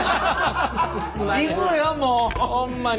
行くよもうホンマに。